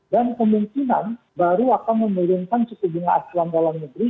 dan kemungkinan baru akan menurunkan c lima asyua dalam negeri